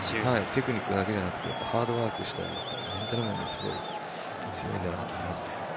テクニックだけじゃなくてハードワークもしてメンタル面もすごい強いんだなと思いますね。